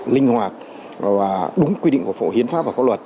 linh hoạt và đúng quy định của phổ hiến pháp và có luật